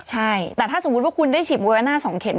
ใช่แต่ถ้าสมมุติว่าคุณได้ฉีดเวอร์น่า๒เข็ม